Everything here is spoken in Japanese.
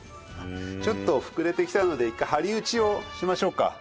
ちょっと膨れてきたので一回はりうちをしましょうか。